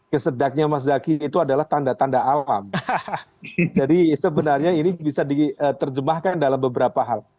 kesedaknya mas zaky itu adalah tanda tanda alam jadi sebenarnya ini bisa diterjemahkan dalam beberapa hal